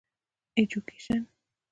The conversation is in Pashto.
ايجوکيشن